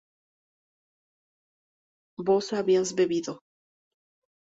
¿vos habías bebido?